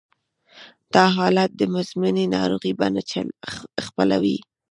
دا حالت د مزمنې ناروغۍ بڼه خپلوي